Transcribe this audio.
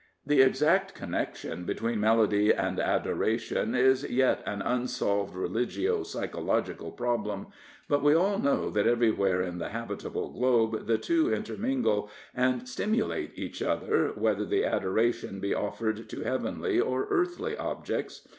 The exact connection between melody and adoration is yet an unsolved religio psychological problem. But we all know that everywhere in the habitable globe the two intermingle, and stimulate each other, whether the adoration be offered to heavenly or earthly objects.